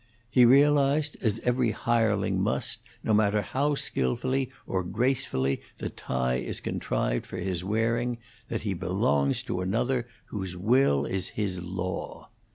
He realized, as every hireling must, no matter how skillfully or gracefully the tie is contrived for his wearing, that he belongs to another, whose will is his law.